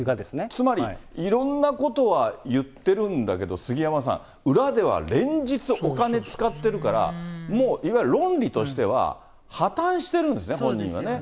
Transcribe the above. つまりいろんなことは言ってるんだけど、杉山さん、裏では連日、お金使ってるから、もういわゆる論理としては破綻してるんですね、そうですよね。